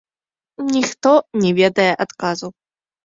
Ніхто не ведае адказу.